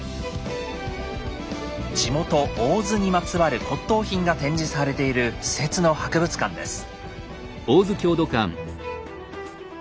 地元大洲にまつわる骨董品が展示されている私設の博物館です。